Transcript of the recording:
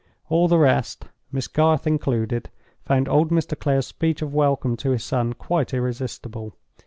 All the rest, Miss Garth included, found old Mr. Clare's speech of welcome to his son quite irresistible.